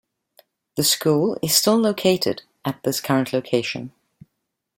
The school is still located at this current location.